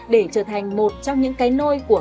để trở thành một trong những cái nôi của người dân